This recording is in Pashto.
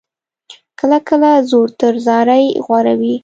کله کله زور تر زارۍ غوره وي.